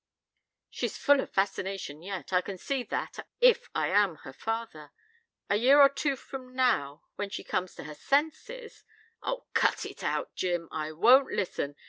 "She's full of fascination yet. I can see that, if I am her father. A year or two from now, when she comes to her senses " "Oh, cut it out, Jim! I won't listen.